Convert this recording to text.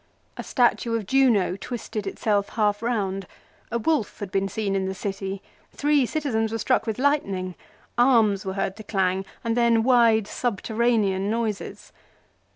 A statue of Juno twisted itself half round ; a wolf had been seen in the city ; three citizens were struck with lightning; arms were heard to clang, and then wide subterranean noises.